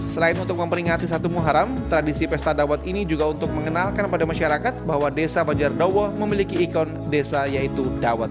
selain untuk memperingati satu muharam tradisi pesta dawet ini juga untuk mengenalkan pada masyarakat bahwa desa banjardowo memiliki ikon desa yaitu dawet